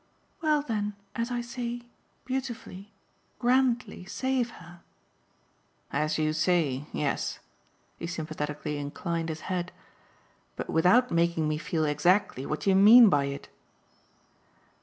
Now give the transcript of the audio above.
"Well then, as I say, beautifully, grandly save her." "As you say, yes" he sympathetically inclined his head. "But without making me feel exactly what you mean by it."